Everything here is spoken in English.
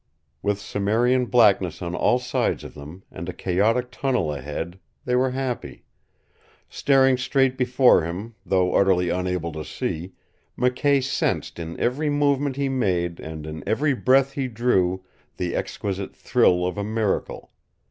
With cimmerian blackness on all sides of them, and a chaotic tunnel ahead, they were happy. Staring straight before him, though utterly unable to see, McKay sensed in every movement he made and in every breath he drew the exquisite thrill of a miracle.